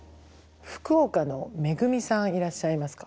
福岡のめぐみさんいらっしゃいますか？